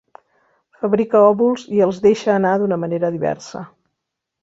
Fabrica òvuls i els deixa anar d'una manera diversa.